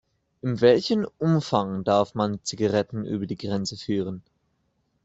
In welchem Umfang darf man Zigaretten über die Grenze führen?